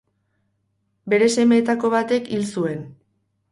Bere semeetako batek hil zuen.